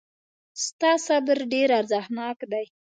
ستا صبر ډېر ارزښتناک دی.